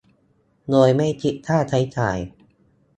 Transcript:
โดยไม่คิดค่าใช้จ่าย